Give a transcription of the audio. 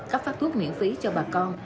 các phát thuốc miễn phí cho bà con